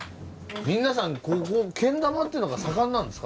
皆さんここけん玉っていうのが盛んなんですか？